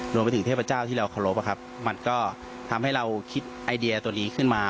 รวมไปถึงเทพเจ้าที่เราเคารพมันก็ทำให้เราคิดไอเดียตัวนี้ขึ้นมา